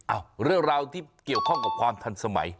เรื่องราวที่เกี่ยวข้องกับความทันสมัย